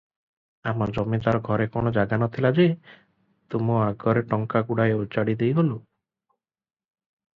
ଆମ ଜମିଦାର ଘରେ କଣ ଜାଗା ନ ଥିଲା ଯେ, ତୁମ ଆଗରେ ଟଙ୍କା ଗୁଡାଏ ଓଜାଡ଼ି ଦେଇଗଲୁଁ?